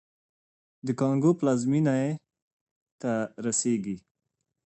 د کانګو پلازمېنې ته رسېږي.